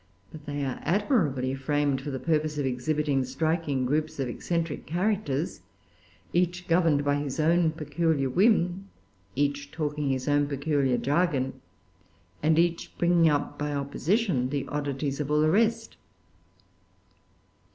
But they are admirably framed for the purpose of exhibiting striking groups of eccentric characters, each governed by his own peculiar whim, each talking his own peculiar jargon, and each bringing out by opposition the oddities of all the rest.